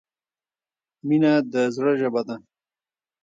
مینه د زړه ژبه ده.